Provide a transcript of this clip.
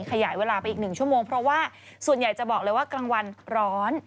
ขยายเวลาไปอีก๑ชั่วโมงเพราะว่าส่วนใหญ่จะบอกเลยว่ากลางวันร้อน